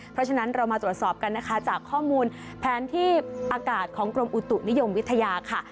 เพราะฉะนั้นเรามาตรวจสอบกันนะคะจากข้อมูลแผนที่อากาศของกรมอุตุนิยมวิทยาค่ะ